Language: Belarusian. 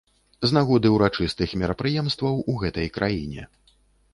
З нагоды ўрачыстых мерапрыемстваў у гэтай краіне.